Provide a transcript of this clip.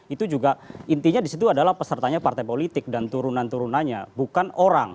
itu juga intinya disitu adalah pesertanya partai politik dan turunan turunannya bukan orang